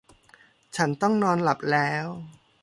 ฉันต้องนอนหลับแล้ว